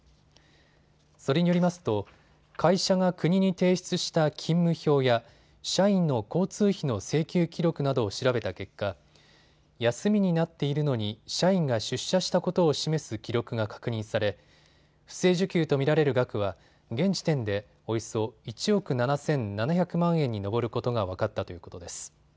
それによりますと会社が国に提出した勤務表や社員の交通費の請求記録などを調べた結果、休みになっているのに社員が出社したことを示す記録が確認され不正受給と見られる額は現時点でおよそ１億７７００万円に上ることが分かったということです。